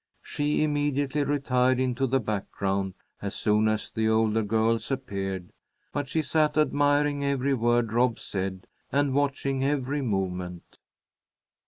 She immediately retired into the background as soon as the older girls appeared, but she sat admiring every word Rob said, and watching every movement.